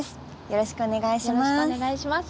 よろしくお願いします。